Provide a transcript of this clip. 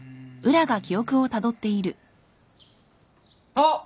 あっ！